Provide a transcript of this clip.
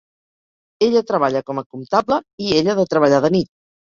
Ella treballa com a comptable i ell ha de treballar de nit.